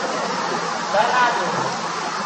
Bara-duu.